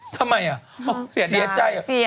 ทำไมอะเสียใจอะ